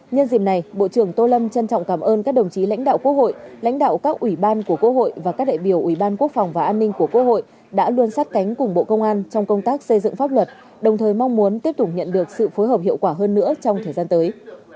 nhân dịp này bộ trưởng tô lâm trân trọng cảm ơn các đồng chí lãnh đạo quốc hội lãnh đạo các ủy ban của quốc hội và các đại biểu ủy ban quốc phòng và an ninh của quốc hội đã luôn sát cánh cùng bộ công an trong công tác xây dựng pháp luật đồng thời mong muốn tiếp tục nhận được sự phối hợp hiệu quả hơn nữa trong thời gian tới